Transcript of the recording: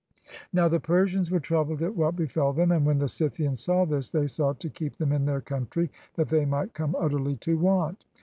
Now the Persians were troubled at what befell them; and when the Scythians saw this, they sought to keep them in their country that they might come utterly to want.